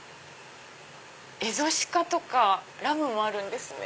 エゾ鹿とかラムもあるんですね。